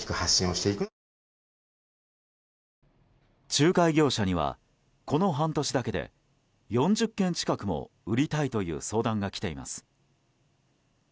仲介業者にはこの半年だけで４０件近くも売りたいという相談が来ています。